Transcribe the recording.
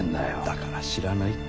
だから知らないって。